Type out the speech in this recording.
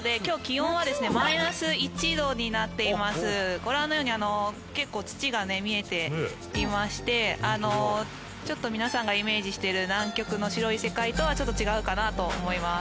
ご覧のように結構土がね見えていましてちょっと皆さんがイメージしてる南極の白い世界とはちょっと違うかなと思います。